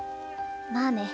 まあね。